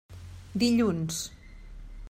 Dilluns.